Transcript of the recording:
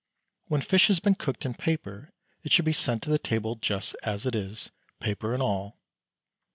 When fish has been cooked in paper it should be sent to table just as it is, paper and all.